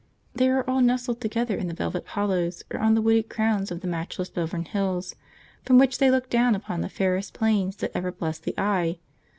They are all nestled together in the velvet hollows or on the wooded crowns of the matchless Belvern Hills, from which they look down upon the fairest plains that ever blessed the eye.